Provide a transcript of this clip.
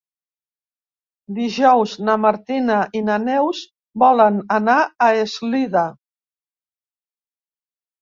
Dijous na Martina i na Neus volen anar a Eslida.